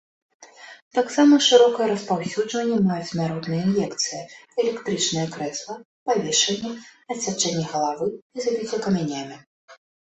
Таксама шырокае распаўсюджванне маюць смяротная ін'екцыя, электрычнае крэсла, павешанне, адсячэнне галавы і забіццё камянямі.